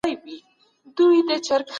موږ ته نوی درس راکوي.